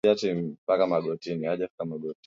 wezi januari langu jina nurdin suleman